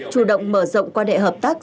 chủ động mở rộng quan hệ hợp tác